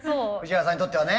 藤原さんにとってはね。